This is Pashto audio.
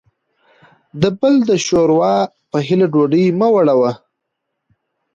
دبل دشوروا په هیله ډوډۍ مه وړه وه